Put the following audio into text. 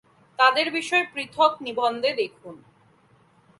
তাদের বিষয়ে পৃথক নিবন্ধে দেখুন।